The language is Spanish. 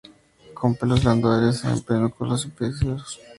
Con pelos glandulares en pedúnculos y pedicelos.